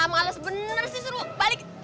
males bener sih suruh balik